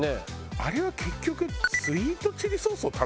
あれは結局スイートチリソースを食べてるんだろ？